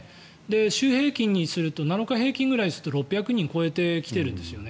週平均にすると７日平均ぐらいにすると６００人を超えてきているんですね。